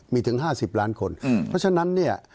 มีถึง๕๐ล้านคนเพราะฉะนั้นเนี่ย